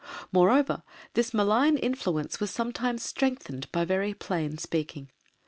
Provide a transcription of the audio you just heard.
Moreover, this malign influence was sometimes strengthened by very plain speaking.